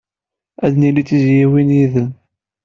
Ad nili d tizzyiwin yid-m.